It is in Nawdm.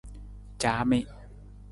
Caami.